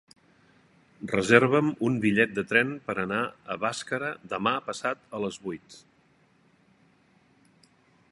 Reserva'm un bitllet de tren per anar a Bàscara demà passat a les vuit.